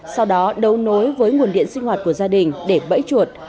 sau đó đấu nối với nguồn điện sinh hoạt của gia đình để bẫy chuột